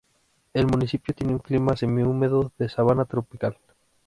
El municipio tiene un clima semihúmedo de sabana tropical.